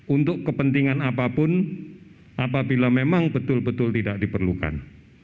untuk kepentingan apapun apabila memang betul betul tidak diperlukan